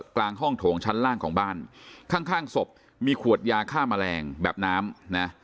กลางห้องโถงชั้นล่างของบ้านข้างศพมีขวดยาฆ่าแมลงแบบน้ำนะ